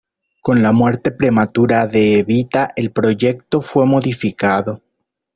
Con la muerte prematura de Evita, el proyecto fue modificado.